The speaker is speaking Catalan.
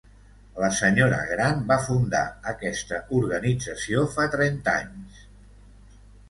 La senyora gran va fundar aquesta organització fa trenta anys.